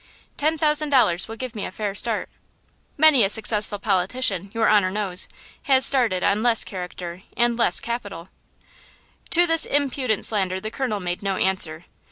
Ten thousand dollars will give me a fair start! Many a successful politician, your honor knows, has started on less character and less capital!" To this impudent slander the colonel made no answer.